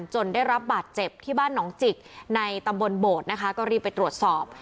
จนได้รับบาดเจ็บที่บ้านหนองจิกในตำบลโบดนะคะก็รีบไปตรวจสอบ